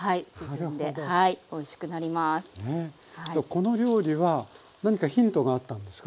この料理は何かヒントがあったんですか？